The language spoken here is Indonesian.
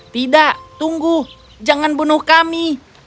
tidak tunggu jangan bunuh kami